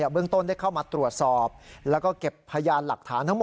เบื้องต้นเข้ามาตรวจสอบและเก็บพยานหลักฐาน